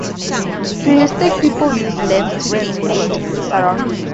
Prehistoric people used lamps to illuminate surroundings.